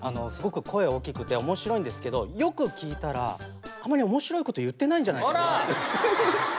すごく声大きくて面白いんですけどよく聞いたらあんまり面白いこと言ってないんじゃないかな。